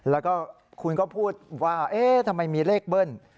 แล้วก็คุณก็พูดว่าเอ๊ะทำไมมีเลขเบิ้ล